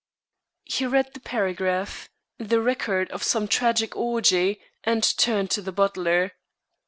He read the paragraph, the record of some tragic orgy, and turned to the butler.